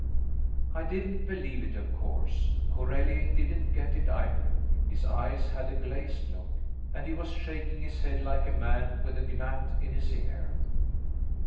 I didn't believe it, of course. Corelli didn't get it, either; his eyes had a glazed look, and he was shaking his head like a man with a gnat in his ear.